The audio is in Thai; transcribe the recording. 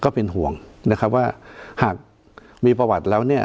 ก็เป็นห่วงนะครับว่าหากมีประวัติแล้วเนี่ย